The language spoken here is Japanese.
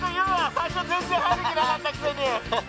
最初全然入る気なかったくせに！